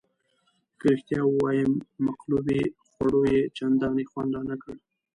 که رښتیا ووایم مقلوبې خوړو یې چندانې خوند رانه کړ.